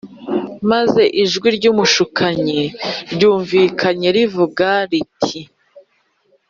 Maze ijwi ry’umushukanyi ryumvikanye rivuga riti